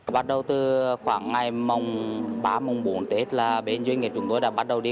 bắt đầu từ khoảng ngày ba bốn tết là doanh nghiệp chúng tôi đã bắt đầu đi